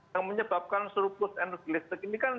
yang menyebabkan surplus energi listrik ini kan